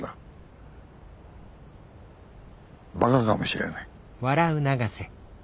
バカかもしれない。